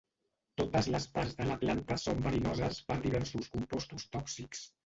Totes les parts de la planta són verinoses per diversos compostos tòxics.